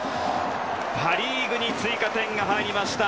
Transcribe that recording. パ・リーグに追加点が入りました。